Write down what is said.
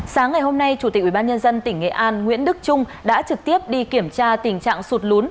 sáng ngày hôm nay chủ tịch ubnd tỉnh nghệ an nguyễn đức trung đã trực tiếp đi kiểm tra tình trạng sụt lún